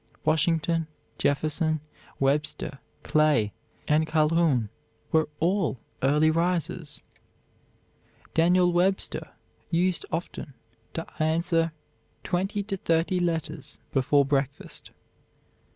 Washington, Jefferson, Webster, Clay, and Calhoun were all early risers. Daniel Webster used often to answer twenty to thirty letters before breakfast.